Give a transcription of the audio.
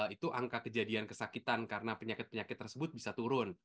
itu angka kejadian kesakitan karena penyakit penyakit tersebut bisa turun